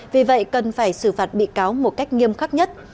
vì vậy cần phải xử phạt bị cáo một cách nghiêm khắc nhất